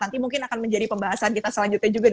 nanti mungkin akan menjadi pembahasan kita selanjutnya juga